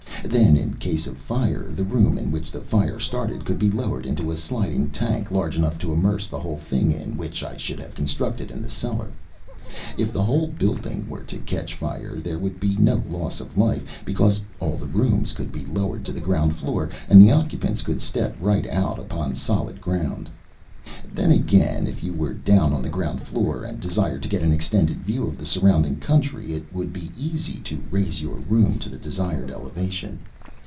Then in case of fire the room in which the fire started could be lowered into a sliding tank large enough to immerse the whole thing in, which I should have constructed in the cellar. If the whole building were to catch fire, there would be no loss of life, because all the rooms could be lowered to the ground floor, and the occupants could step right out upon solid ground. Then again, if you were down on the ground floor, and desired to get an extended view of the surrounding country, it would be easy to raise your room to the desired elevation.